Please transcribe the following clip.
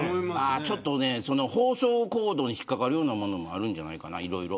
ちょっと放送コードに引っ掛かるようなものもあるんじゃないかな。